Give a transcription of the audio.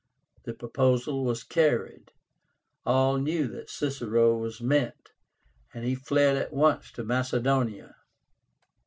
The proposal was carried. All knew that Cicero was meant, and he fled at once to Macedonia.